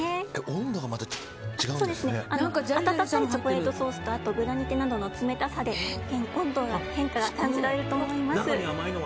温かいチョコレートソースとグラニテなどの冷たさで、温度の変化が感じられると思います。